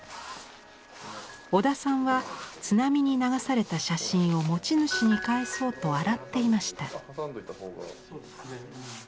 小田さんは津波に流された写真を持ち主に返そうと洗っていました。